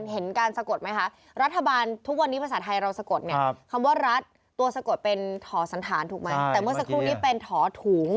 เป็นถสันฐานถูกไหมแต่เมื่อสักครู่นี้เป็นถถุง